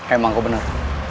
emang aku bener